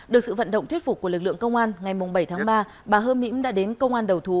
được sự vận động thuyết phục của lực lượng công an ngày bảy tháng ba bà hơ mỹ đã đến công an đầu thú